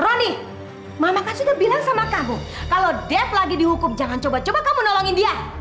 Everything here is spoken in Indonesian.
roni mama kan sudah bilang sama kamu kalau def lagi dihukum jangan coba coba kamu nolongin dia